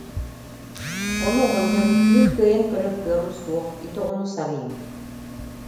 Ону оҕонньор: «Мин кыайан көрөр кыаҕым суох, ити оҕону сарыйыҥ»